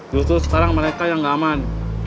justru sekarang mereka yang nggak aman